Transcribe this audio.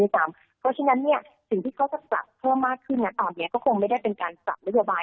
เพราะฉะนั้นสิ่งที่เขาจะปรับเพิ่มมากขึ้นตอนนี้ก็คงไม่ได้เป็นการปรับนโยบาย